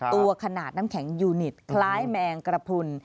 ตัวขนาดน้ำแข็งยูนิตคล้ายแมงกระพุน